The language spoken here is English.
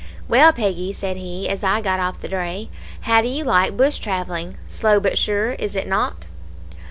"'Well, Peggy,' said he, as I got off the dray, 'how do you like bush travelling? Slow, but sure, is it not?'